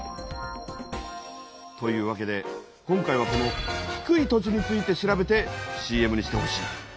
というわけで今回はこの低い土地について調べてＣＭにしてほしい。